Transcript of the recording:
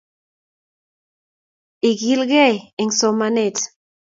ikilgei en somanet